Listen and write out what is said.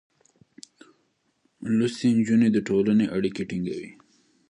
لوستې نجونې د ټولنې اړيکې ټينګوي.